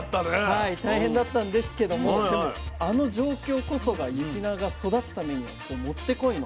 はい大変だったんですけどもでもあの状況こそが雪菜が育つためには持って来いの天候だったんですね。